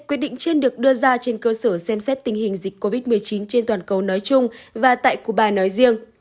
quyết định trên được đưa ra trên cơ sở xem xét tình hình dịch covid một mươi chín trên toàn cầu nói chung và tại cuba nói riêng